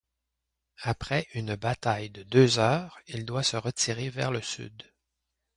Après une bataille de deux heures, il doit se retirer vers le sud.